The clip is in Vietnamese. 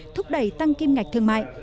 thúc đẩy tăng kim ngạch thương mại